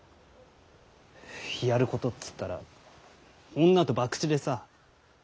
やることっつったら女と博打でさ。